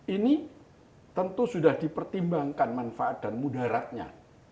ini tentu sudah dipertimbangkan manfaat dan mudaratnya